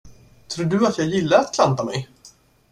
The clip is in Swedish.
Tror du att jag gillar att klanta mig?